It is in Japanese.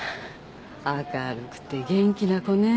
明るくて元気な子ね。